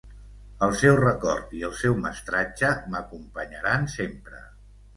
El seu record i el seu mestratge m'acompanyaran sempre.